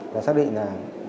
và xác định là